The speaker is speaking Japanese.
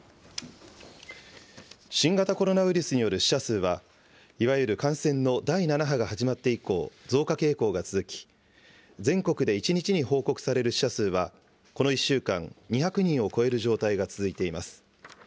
新型コロナウイルスによる死者数は、いわゆる感染の第７波が始まって以降、増加傾向が続き、全国で１日に報告される死者数はこの１週間、２００人を超える状態が続いています。